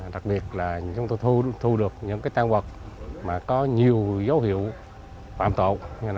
đặc biệt là chúng tôi thu được những cái tăng vật mà có nhiều dấu hiệu phạm tội